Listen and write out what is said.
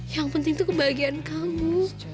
yang penting itu kebahagiaan kamu